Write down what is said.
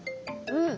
うん。